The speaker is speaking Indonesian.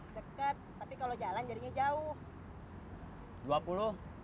deket tapi kalau jalan jadinya jauh